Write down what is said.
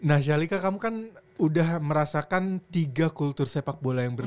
nah shalika kamu kan udah merasakan tiga kultur sepak bola yang berbeda